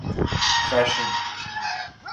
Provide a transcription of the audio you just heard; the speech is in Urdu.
فینیش